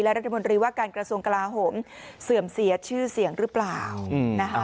รัฐมนตรีว่าการกระทรวงกลาโหมเสื่อมเสียชื่อเสียงหรือเปล่านะคะ